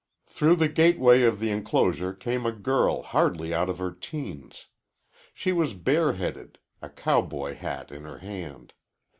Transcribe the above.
Through the gateway of the enclosure came a girl hardly out of her teens. She was bareheaded, a cowboy hat in her hand.